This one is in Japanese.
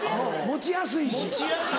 持ちやすいし。